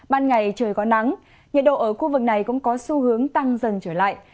ban ngày trời có nắng nhiệt độ ở khu vực này cũng có xu hướng tăng dần trở lại